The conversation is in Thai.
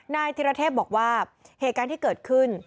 ธิรเทพบอกว่าเหตุการณ์ที่เกิดขึ้น